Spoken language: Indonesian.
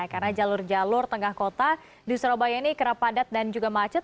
karena jalur jalur tengah kota di surabaya ini kerap padat dan juga macet